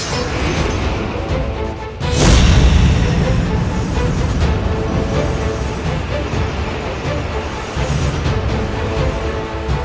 bahwa siluman belut dan siluman ikan hiu yang nyai perintahkan